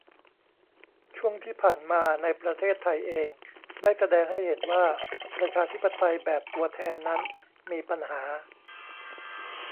ช่วงที่ผ่านมาในประเทศไทยเอง ได้แสดงให้เห็นว่าประชาธิปไตยแบบตัวแทนนั้นมีปัญหา